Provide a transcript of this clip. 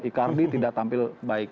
icardi tidak tampil baik